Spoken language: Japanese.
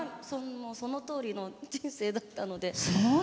そのとおりの人生だったので。